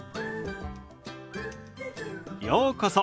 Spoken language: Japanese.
ようこそ。